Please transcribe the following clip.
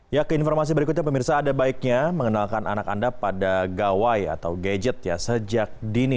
ya ke informasi berikutnya pemirsa ada baiknya mengenalkan anak anda pada gawai atau gadget ya sejak dini